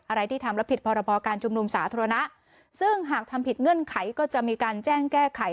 ที่ทำแล้วผิดพรบการชุมนุมสาธารณะซึ่งหากทำผิดเงื่อนไขก็จะมีการแจ้งแก้ไข